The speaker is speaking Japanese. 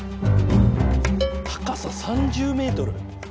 高さ３０メートル？